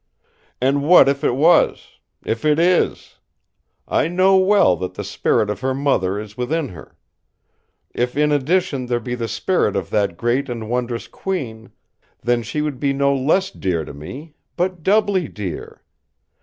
"And what if it was; if it is! I know well that the spirit of her mother is within her. If in addition there be the spirit of that great and wondrous Queen, then she would be no less dear to me, but doubly dear!